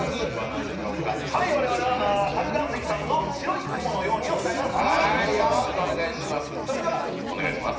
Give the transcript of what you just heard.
我々は猿岩石さんの「白い雲のように」を歌います。